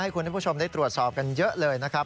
คุณผู้ชมได้ตรวจสอบกันเยอะเลยนะครับ